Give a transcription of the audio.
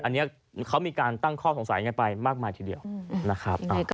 อันนี้เขามีการตั้งข้อสงสัยกันไปมากมายทีเดียวนะครับ